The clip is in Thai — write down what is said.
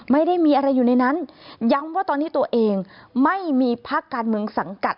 ไม่ได้มีอะไรอยู่ในนั้นย้ำว่าตอนนี้ตัวเองไม่มีพักการเมืองสังกัด